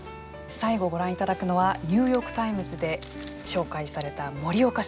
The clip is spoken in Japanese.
最後ご覧いただくのはニューヨーク・タイムズで紹介された盛岡市。